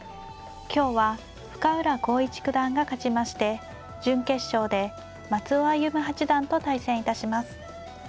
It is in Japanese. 今日は深浦康市九段が勝ちまして準決勝で松尾歩八段と対戦致します。